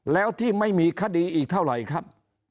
แล้วที่ไม่มีคดีอีกเท่าไหร่ครับ